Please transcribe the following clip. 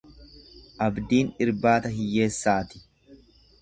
Abdiin irbaata hiyyeessaati.